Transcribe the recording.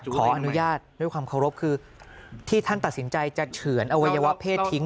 ขออนุญาตด้วยความเคารพคือที่ท่านตัดสินใจจะเฉือนอวัยวะเพศทิ้ง